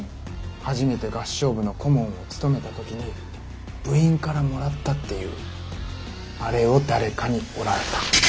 初めて合唱部の顧問を務めた時に部員からもらったっていうあれを誰かに折られた。